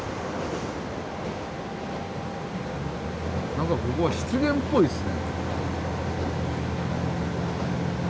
何かここは湿原っぽいですね。